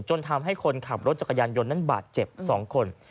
ทำให้คนขับรถจักรยานยนต์นั้นบาดเจ็บ๒คน